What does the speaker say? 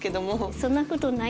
そんなことないです。